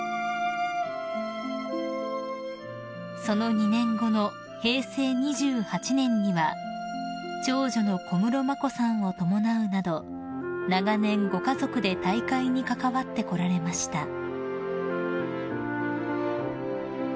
［その２年後の平成２８年には長女の小室眞子さんを伴うなど長年ご家族で大会に関わってこられました］